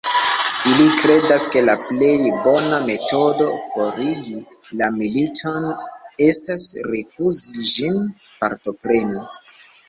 Ili kredas, ke la plej bona metodo forigi la militon, estas rifuzi ĝin partopreni.